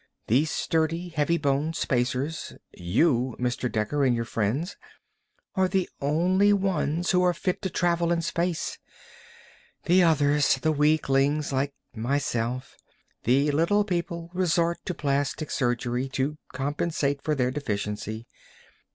The sturdy, heavy boned Spacers you, Mr. Dekker, and your friends are the only ones who are fit to travel in space. The others, the weaklings like myself, the little people, resort to plastic surgery to compensate for their deficiency.